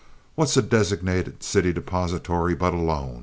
What's a designated city depository but a loan?"